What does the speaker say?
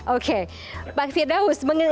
oke pak firdaus